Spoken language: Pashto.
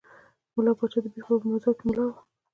ملا پاچا د پیر بابا په مزار کې ملا وو.